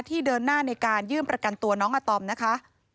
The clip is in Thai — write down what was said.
เดินหน้าในการยื่นประกันตัวน้องอาตอมนะคะ